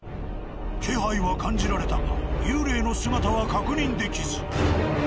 気配は感じられたが幽霊の姿は確認できず。